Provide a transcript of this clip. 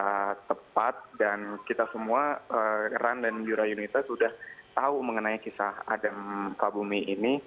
sudah tepat dan kita semua ran dan yura yunita sudah tahu mengenai kisah adam kabumi ini